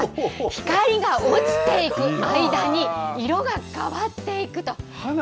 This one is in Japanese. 光が落ちていく間に、色が変わっていくと。